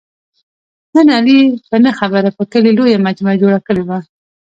نن علي په نه خبره په کلي لویه مجمع جوړه کړې وه.